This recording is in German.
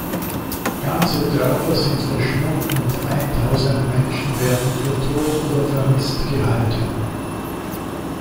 Ganze Dörfer sind verschwunden und eintausend Menschen werden für tot oder vermisst gehalten.